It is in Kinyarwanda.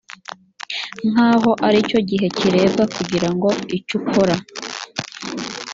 nkaho ari cyo gihe kirebwa kugirango icyoukora